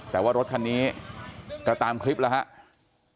แต่ว่ารถคันนี้ก็ตามคลิปแล้วครับ